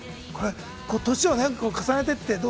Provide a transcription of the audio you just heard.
年を重ねていって、どう？